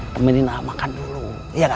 temenin aa makan dulu iya gak